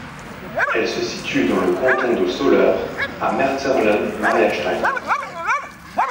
Elle se situe dans le canton de Soleure à Metzerlen-Mariastein.